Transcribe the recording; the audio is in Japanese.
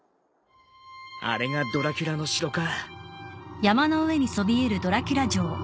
あれがドラキュラの城か。